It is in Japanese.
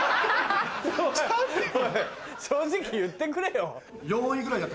正直言ってくれよ。